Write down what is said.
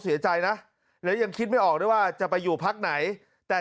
เศยใจน่ะหรือยังคิดไม่ออกได้ว่าจะไปอยู่พักไหนแต่